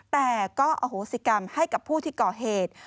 แต่ก็อโหสิกรรมให้กับผู้ที่ก่อเหตุ